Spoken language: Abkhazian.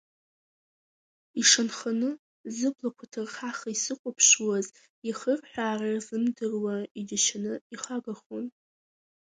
Ишанханы зыблақәа ҭырхаха исыхәаԥшуаз иахырҳәаара рзымдыруа иџьашьаны ихагахон.